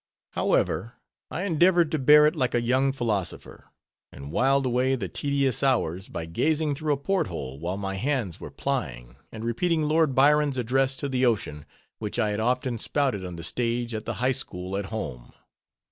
However, I endeavored to bear it all like a young philosopher, and whiled away the tedious hours by gazing through a port hole while my hands were plying, and repeating Lord Byron's Address to the Ocean, which I had often spouted on the stage at the High School at home.